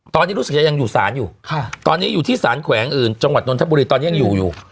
ตอนนี้รู้สึกจะยังอยู่ศาลอยู่ตอนนี้อยู่ที่สารแขวงอื่นจังหวัดนทบุรีตอนนี้ยังอยู่อยู่